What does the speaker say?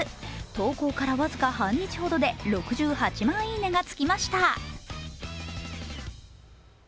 投稿から僅か半日ほどで６８万いいねがつきました。